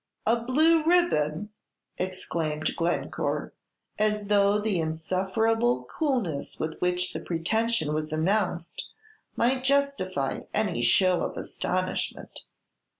a blue ribbon!" exclaimed Glencore, as though the insufferable coolness with which the pretension was announced might justify any show of astonishment.